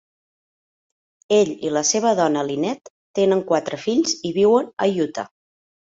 Ell y la seva dona Lynette tenen quatre fills i viuen a Utah.